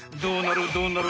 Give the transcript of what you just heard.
どうなる？